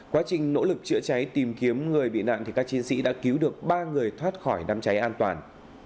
quá trình nỗ lực chữa cháy tìm kiếm người bị nạn các chiến sĩ đã cứu được ba người thoát khỏi đám cháy an toàn